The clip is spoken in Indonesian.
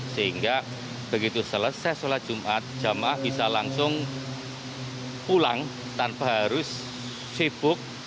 sehingga begitu selesai sholat jumat jemaah bisa langsung pulang tanpa harus sibuk